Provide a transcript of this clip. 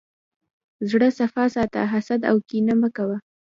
زړه صفا ساته، حسد او کینه مه کوه.